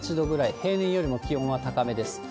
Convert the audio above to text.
平年よりも気温は高めです。